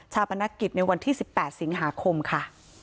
ชาปนักกิจในวันที่สิบแปดสิงหาคมค่ะ